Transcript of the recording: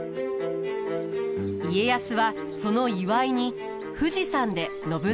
家康はその祝いに富士山で信長をもてなします。